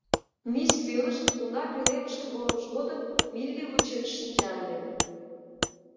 Мисс Пӧлышт уна пӧлемышке волымыж годым Милли вучен шинча ыле.